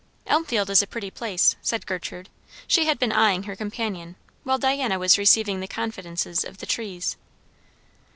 "Elmfield is a pretty place," said Gertrude. She had been eyeing her companion while Diana was receiving the confidences of the trees.